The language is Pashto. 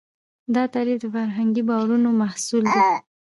دا تعریف د فرهنګي باورونو محصول دی.